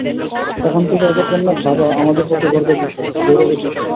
এখন থেকে এঁদের জন্যে ভাবা আমাদের পক্ষে গর্বের বিষয়– গৌরবের বিষয়।